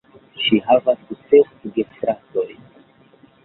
Ŝi havas ses gefratojn.